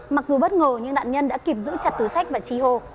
mặc dù bất ngờ nhưng đạn nhân đã kịp giữ chặt túi sách và trí hồ